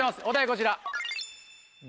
こちら。